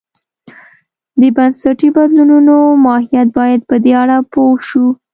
د بنسټي بدلونو ماهیت باید په دې اړه پوه شو.